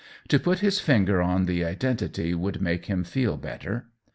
To put his finger on the identity would make him feel better.